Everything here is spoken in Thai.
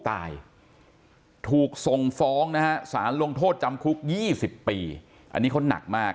ตายถูกทรงฟ้องนะศาลลงโทษจำคุก๒๐ปีอันนี้คนหนักมาก